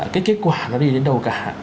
cái kết quả nó đi đến đâu cả